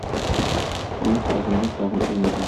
Мин сазымны тагын уйнадым.